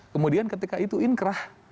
kemudian ketika itu inkrah